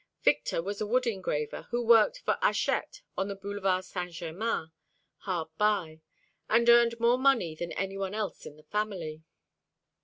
Victor was a wood engraver, who worked for Hachette on the Boulevard Saint Germain, hard by, and earned more money than any one else in the family.